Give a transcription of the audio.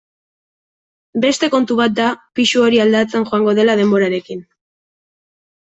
Beste kontu bat da pisu hori aldatzen joango dela denborarekin.